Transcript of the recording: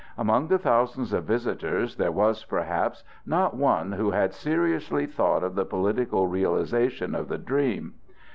Among the thousands of visitors there was, perhaps, not one who had seriously thought of the political realization of the dream.